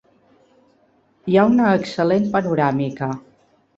Hi ha una excel·lent panoràmica.